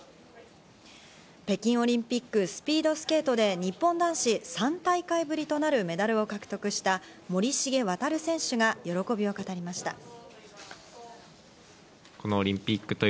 北京オリンピック、スピードスケートで日本男子３大会ぶりとなるメダルを獲得した森重航選手が喜びを語りました。